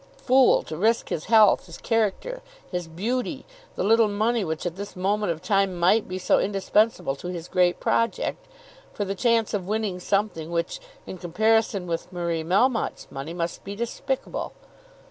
Fool, to risk his health, his character, his beauty, the little money which at this moment of time might be so indispensable to his great project, for the chance of winning something which in comparison with Marie Melmotte's money must be despicable!